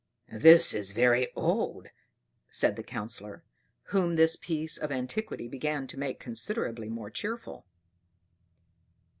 "That is very old!" said the Councillor, whom this piece of antiquity began to make considerably more cheerful.